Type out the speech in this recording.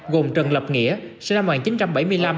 gồm trần lập nghĩa sinh năm một nghìn chín trăm bảy mươi năm